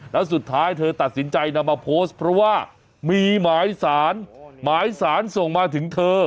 แล้วสุดท้ายเธอตัดสินใจนำมาโพสต์เพราะว่ามีหมายสารหมายสารส่งมาถึงเธอ